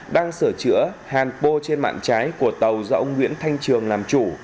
đang sửa chữa hàn pô trên mạng trái của tàu do ông nguyễn thanh trường làm chủ